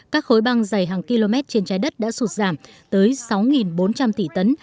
các khối băng dày hàng km trên trái đất đã sụt giảm tới sáu bốn trăm linh tỷ tấn